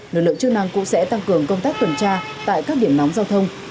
lực lượng chức năng cũng sẽ tăng cường công tác tuần tra tại các điểm nóng giao thông